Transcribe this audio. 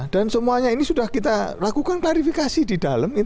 dan semuanya ini sudah kita lakukan klarifikasi di dalam